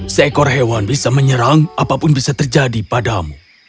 seekor hewan bisa menyerang apapun bisa terjadi padamu